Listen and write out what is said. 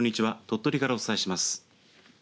鳥取からお伝えします。